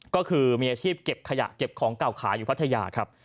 ก็คือมีอาชีพเก็บขยะเก็บของเก่าขายอยู่พัทยาครับ